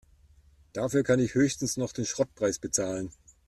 Dafür kann ich höchstens noch den Schrottpreis bezahlen.